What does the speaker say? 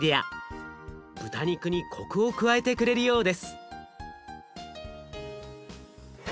豚肉にコクを加えてくれるようです。